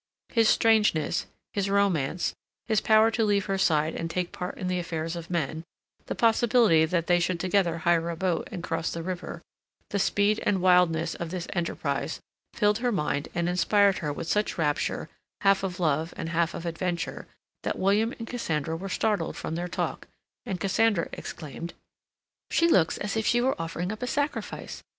His strangeness, his romance, his power to leave her side and take part in the affairs of men, the possibility that they should together hire a boat and cross the river, the speed and wildness of this enterprise filled her mind and inspired her with such rapture, half of love and half of adventure, that William and Cassandra were startled from their talk, and Cassandra exclaimed, "She looks as if she were offering up a sacrifice!